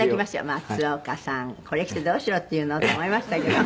松岡さんこれ着てどうしろっていうの？って思いましたけど。